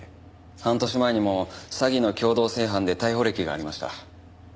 半年前にも詐欺の共同正犯で逮捕歴がありました。